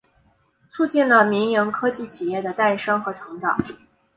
促进了民营科技企业的诞生和成长。